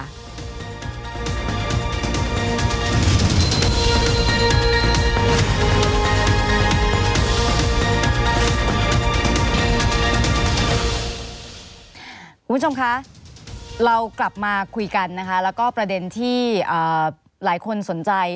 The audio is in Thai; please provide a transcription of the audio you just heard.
คุณผู้ชมคะเรากลับมาคุยกันนะคะแล้วก็ประเด็นที่หลายคนสนใจ